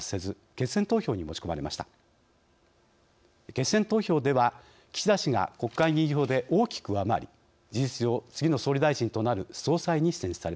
決選投票では岸田氏が国会議員票で大きく上回り事実上次の総理大臣となる総裁に選出されました。